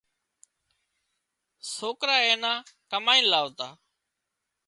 سوڪرا اين نا ڪمائينَ لاوتا